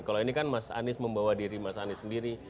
kalau ini kan mas anies membawa diri mas anies sendiri